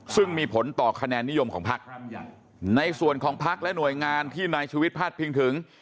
ซึ่งมีผลต่อคะแนนนิยมของพักในส่วนของพักและหน่วยงานที่นายชุวิตพลาดพิงถึง